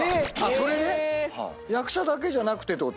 それで⁉役者だけじゃなくてってこと？